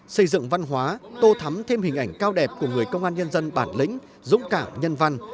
xây dựng văn hóa tô thắm thêm hình ảnh cao đẹp của người công an nhân dân bản lĩnh dũng cảm nhân văn